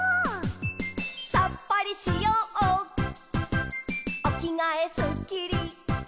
「さっぱりしようおきがえすっきり」